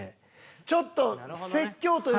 ちょっと説教というか。